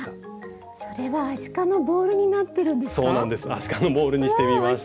アシカのボールにしてみました。